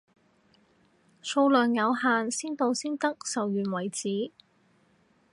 數量有限，先到先得，售完為止，